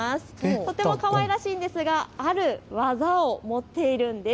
とてもかわいらしいんですがある技を持っているんです。